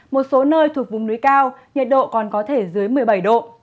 một số nơi thuộc vùng núi cao nhiệt độ còn có thể dưới một mươi bảy độ